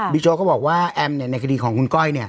โจ๊กก็บอกว่าแอมในคดีของคุณก้อย